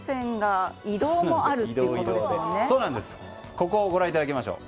ここをご覧いただきましょう。